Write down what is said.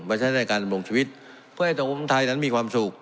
บัญชัยในการลงชีวิตเพื่อให้ตัวประมวลไทยนั้นมีความสุข